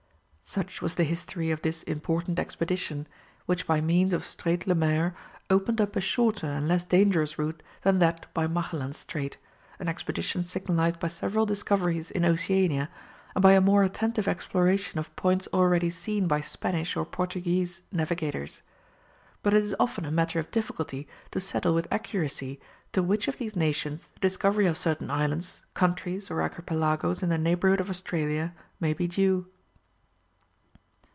Such was the history of this important expedition, which by means of Strait Lemaire opened up a shorter and less dangerous route than that by Magellan's Strait, an expedition signalized by several discoveries in Oceania, and by a more attentive exploration of points already seen by Spanish or Portuguese navigators. But it is often a matter of difficulty to settle with accuracy to which of these nations the discovery of certain islands, countries, or archipelagos in the neighbourhood of Australia, may be due.